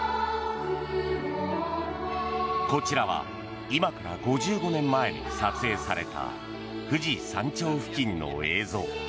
こちらは今から５５年前に撮影された富士山頂付近の映像。